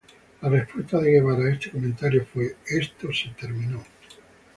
La respuesta de Guevara a este comentario fue: "esto se terminó"